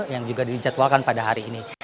yang juga dijadwalkan pada hari ini